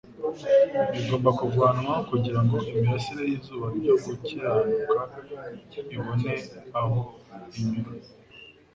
bigomba kuvanwaho kugira ngo imirasire y'izuba ryo gukiranuka ibone aho inyura.